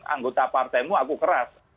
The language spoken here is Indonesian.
anggota partaimu aku keras